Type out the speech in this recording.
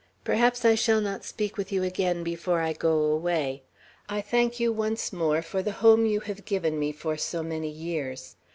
Perhaps I shall not speak with you again before I go away. I thank you once more for the home you have given me for so many years.